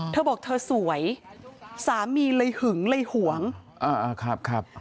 เธอบอกเธอสวยสามีเลยหึงเลยหวงอ่าครับ